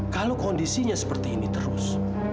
kalau kondisinya seperti ini terus